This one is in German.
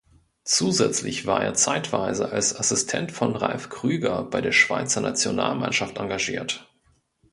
Zusätzlich war er zeitweise als Assistent von Ralph Krueger bei der Schweizer Nationalmannschaft engagiert.